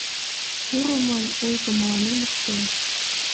Курымлан ойгым мылам ыштен.